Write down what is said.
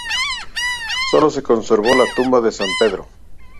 Solo se conservó la tumba de San Pedro.